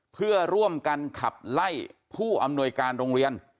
เพื่อร่วมกันขับไล่ผู้อำนวยการโรงเรียน